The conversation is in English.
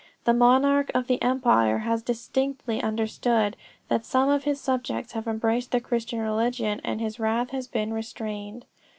The monarch of the empire has distinctly understood, that some of his subjects have embraced the Christian religion, and his wrath has been restrained."